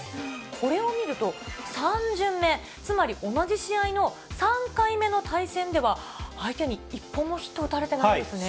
これを見ると、３巡目、つまり同じ試合の３回目の対戦では、相手に１本もヒットを打たれてないんですね。